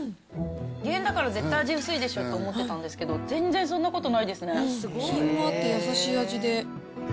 減塩だから、絶対味薄いでしょって思ってたんですけど、全然そんなことないで品もあって優しい味で。